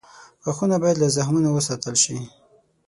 غاښونه باید له زخمونو وساتل شي.